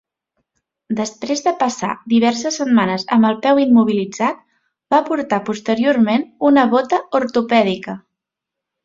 Després de passar diverses setmanes amb el peu immobilitzat, va portar posteriorment una bota ortopèdica.